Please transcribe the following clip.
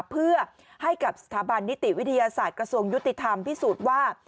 เพื่อให้กับสถาบันนิติวิทยาศาสตร์กระทรวงยุติธรรมพิสูจน์ว่า